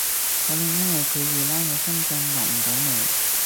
可能因為佢二奶喺深圳落唔到嚟